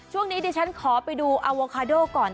ช่วงนี้ที่ฉันขอไปดูอโวโค้ดโครตก่อน